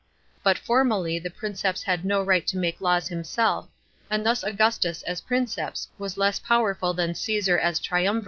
But formally the Princeps had no right to make laws himself, and thus Augustus as Princeps was less powerful than Cassar as triumvir.